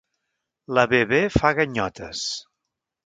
La Bebè fa ganyotes.